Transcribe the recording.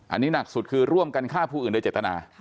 อันนี้หนักสุดคือร่วมกันฆ่าผู้อื่นโดยเจตนา